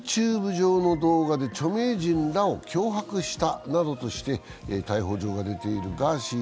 上の動画で著名人らを脅迫したなどとして逮捕状が出ているガーシー